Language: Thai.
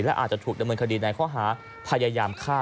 และอาจจะถูกดำเนินคดีในข้อหาพยายามฆ่า